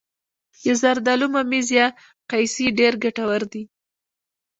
د زردالو ممیز یا قیسی ډیر ګټور دي.